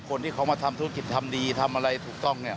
คนที่เขามาทำธุรกิจทำดีทำอะไรถูกต้องเนี่ย